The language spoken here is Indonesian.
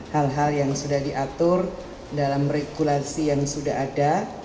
hal hal yang sudah diatur dalam regulasi yang sudah ada